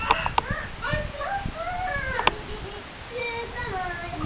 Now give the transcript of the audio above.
つかまえた！